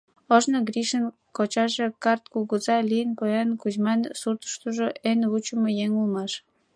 Ожно Гришын кочаже карт кугыза лийын, поян Кузьман суртыштыжо эн вучымо еҥ улмаш.